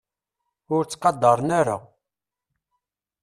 Ur ttqadaren ara.